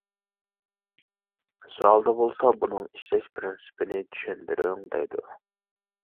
سوئالدا بولسا بۇنىڭ ئىشلەش پىرىنسىپىنى چۈشەندۈرۈڭ دەيدۇ.